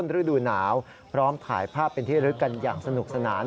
ฤดูหนาวพร้อมถ่ายภาพเป็นที่ลึกกันอย่างสนุกสนาน